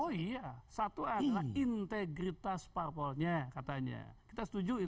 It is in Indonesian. oh iya satu adalah integritas parpolnya katanya kita setujuin